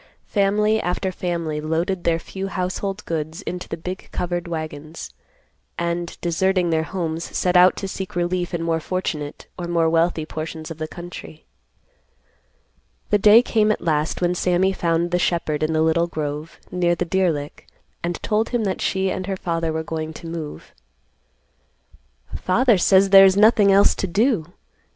Family after family loaded their few household goods into the big covered wagons, and, deserting their homes, set out to seek relief in more fortunate or more wealthy portions of the country. The day came at last when Sammy found the shepherd in the little grove, near the deer lick, and told him that she and her father were going to move. "Father says there is nothing else to do.